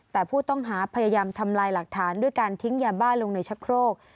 แต่ผู้ต้องหาพยายามทำลายหลักฐานด้วยการทิ้งยาบ้าลงในชะโครก